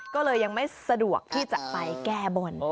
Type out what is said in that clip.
ก็เลยยังไม่สะดวกที่จะไปแก้บน